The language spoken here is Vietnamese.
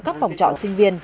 các phòng trọ sinh viên